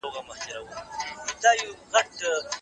ده د شخړو د بيا راژوندي کېدو مخه ونيوه.